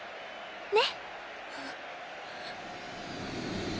ねっ？